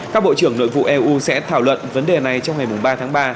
các bộ trưởng nội vụ eu sẽ thảo luận vấn đề này trong ngày ba tháng ba